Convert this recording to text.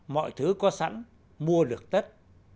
mọi thứ có sẵn mua được tất